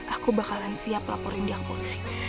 aku bakalan siap laporin di akun sih